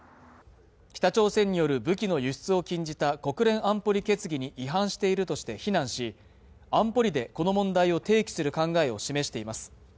北朝鮮による武器の輸出を禁じた国連安保理決議に違反しているとして非難し安保理でこの問題を提起する考えを示しています